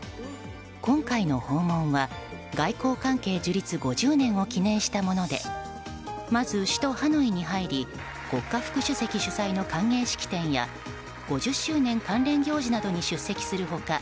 今回の訪問は外交関係樹立５０年を記念したものでまず首都ハノイに入り国家副主席主催の歓迎式典や５０周年関連行事などに出席する他